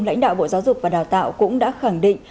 lãnh đạo bộ giáo dục và đào tạo cũng đã khẳng định